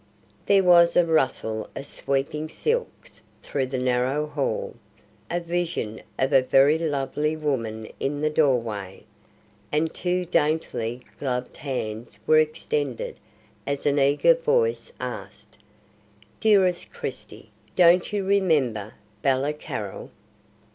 There was a rustle of sweeping silks through the narrow hall, a vision of a very lovely woman in the door way, and two daintily gloved hands were extended as an eager voice asked: "Dearest Christie, don't you remember Bella Carrol?"